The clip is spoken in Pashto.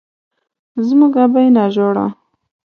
زموږ ابۍ ناجوړه